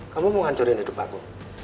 kamu mau ngancurin hidup aku